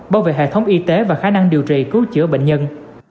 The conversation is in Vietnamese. bảo vệ hệ thống y tế và khả năng điều trị cứu chữa bệnh nhân